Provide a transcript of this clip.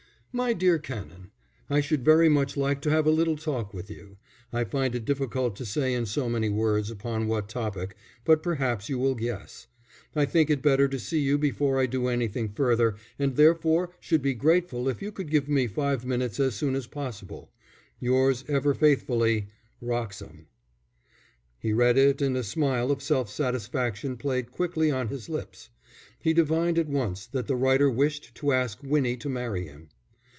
MY DEAR CANON, _I should very much like to have a little talk with you. I find it difficult to say in so many words upon what topic, but perhaps you will guess. I think it better to see you before I do anything further, and therefore should be grateful if you could give me five minutes as soon as possible._ Yours ever faithfully, WROXHAM. He read it, and a smile of self satisfaction played quickly on his lips. He divined at once that the writer wished to ask Winnie to marry him.